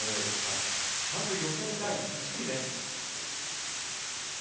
まず予選第１組です。